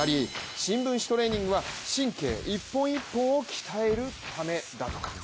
新聞紙トレーニングは神経一本一本を鍛えるためだとか。